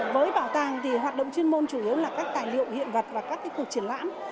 với bảo tàng thì hoạt động chuyên môn chủ yếu là các tài liệu hiện vật và các cuộc triển lãm